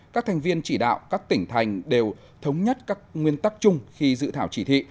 các thành viên chỉ đạo các tỉnh thành đều thống nhất các nguyên tắc chung khi dự thảo chỉ thị